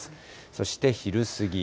そして昼過ぎ。